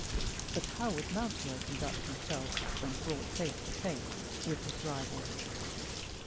But how would Mountjoy conduct himself when brought face to face with his rival?